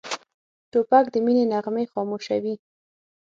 توپک د مینې نغمې خاموشوي.